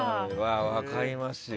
分かりますよ。